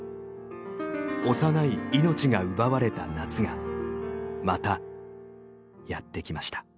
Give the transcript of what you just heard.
幼い命が奪われた夏がまたやってきました。